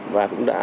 và cũng đã